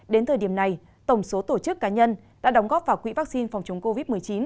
đến thời điểm này tổng số tổ chức cá nhân đã đóng góp vào quỹ vaccine phòng chống covid một mươi chín